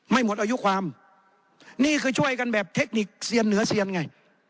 หมดอายุความนี่คือช่วยกันแบบเทคนิคเซียนเหนือเซียนไง